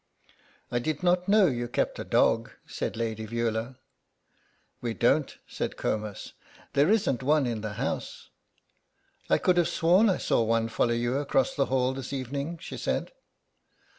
"I did not know you kept a dog," said Lady Veula. "We don't," said Comus, "there isn't one in the house." "I could have sworn I saw one follow you across the hall this evening," she said.